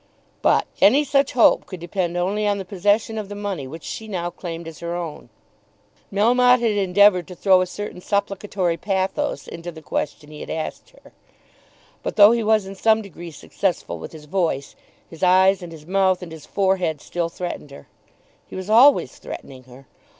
But any such hope could depend only on the possession of the money which she now claimed as her own. Melmotte had endeavoured to throw a certain supplicatory pathos into the question he had asked her; but, though he was in some degree successful with his voice, his eyes and his mouth and his forehead still threatened her. He was always threatening her.